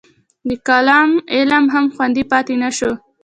د کلام علم هم خوندي پاتې نه شو.